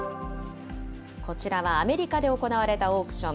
こちらはアメリカで行われたオークション。